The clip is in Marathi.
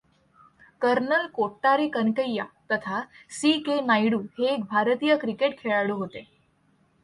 कर्नल कोट्टारी कनकैया तथा सी. के. नायडू हे एक भारतीय क्रिकेट खेळाडू होते.